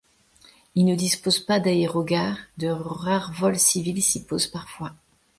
Il ne dispose pas d'aérogare, de rares vols civils s'y posent parfois.